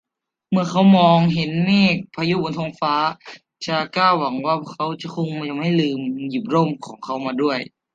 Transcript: เมื่อเขามองเห็นเมฆพายุบนท้องฟ้า จาก้าหวังว่า เขาคงจะไม่ลืมหยิบร่มของเขามาด้วย